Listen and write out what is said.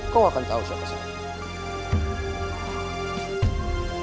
kau akan tahu siapa saya